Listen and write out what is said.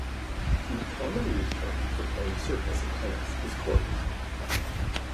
The most commonly used term for the playing surface in tennis is "court".